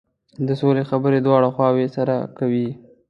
د سولې خبرې دواړه خواوې سره کوي.